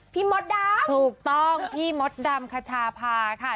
มดดำถูกต้องพี่มดดำคชาพาค่ะ